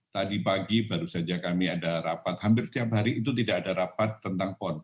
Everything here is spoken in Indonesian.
tadi pagi baru saja kami ada rapat hampir tiap hari itu tidak ada rapat tentang pon